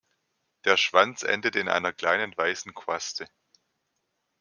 Der Schwanz endet in einer kleinen, weißen Quaste.